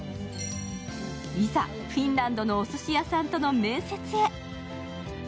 いざ、フィンランドのおすし屋さんとの面接へ。